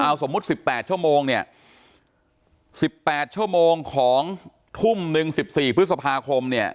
เอาสมมุติสิบแปดชั่วโมงเนี้ยสิบแปดชั่วโมงของทุ่มหนึ่งสิบสี่พฤษภาคมเนี้ย